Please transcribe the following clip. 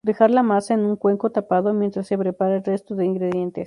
Dejar la masa en un cuenco tapado mientras se prepara el resto de ingredientes.